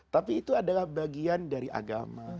tapi itu adalah bagian dari agama